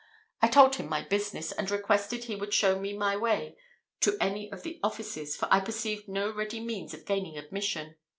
I told him my business, and requested he would show me my way to any of the offices, for I perceived no ready means of gaining admission.